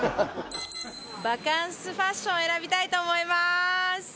バカンスファッションを選びたいと思います！